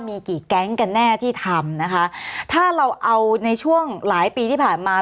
มีกี่แก๊งกันแน่ที่ทำนะคะถ้าเราเอาในช่วงหลายปีที่ผ่านมา